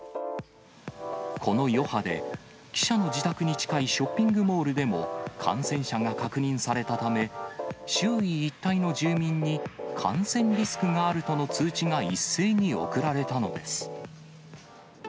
この余波で、記者の自宅に近いショッピングモールでも、感染者が確認されたため、周囲一帯の住民に感染リスクがあるとの通知が一斉に送られたのです。